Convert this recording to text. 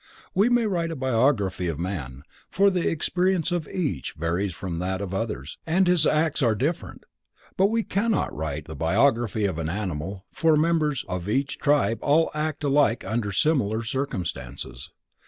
We may write the biography of a man, for the experiences of each varies from that of others and his acts are different, but we cannot write the biography of an animal for members of each tribe all act alike under similar circumstances.